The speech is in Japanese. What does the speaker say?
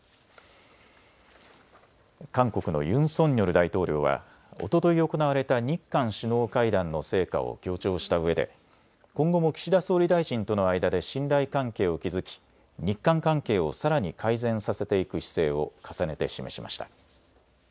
韓国のユン・ソンニョル大統領はおととい行われた日韓首脳会談の成果を強調したうえで今後も岸田総理大臣との間で信頼関係を築き、日韓関係をさらに改善させていく姿勢を重ねて示しました。